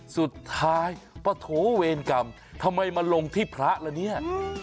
สุดท้ายปะโถเวรกรรมทำไมมาลงที่พระละเนี่ย